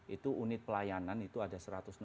itu unit pelayanan itu ada satu ratus enam puluh